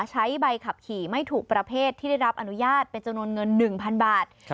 ใช้ใบขับขี่ไม่ถูกประเภทที่ได้รับอนุญาตเป็นจำนวนเงิน๑๐๐๐บาท